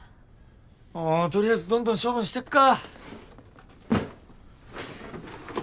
あとりあえずどんどん処分してくか。